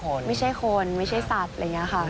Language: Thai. ไม่ใช่คนไม่ใช่สัตว์อะไรอย่างนี้ค่ะ